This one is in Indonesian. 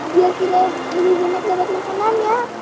biar kita lebih mudah dapat makanan ya